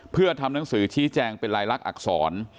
เพื่อทำหนังสือชี้แจงเป็นลายลักษณอักษร